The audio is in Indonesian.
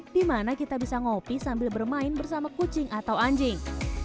di mana kita bisa ngopi sambil bermain bersama kucing atau anjing